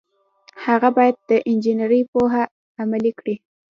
هغه باید د انجنیری پوهه عملي کړي.